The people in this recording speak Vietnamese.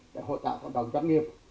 để hỗ trợ tổng đồng doanh nghiệp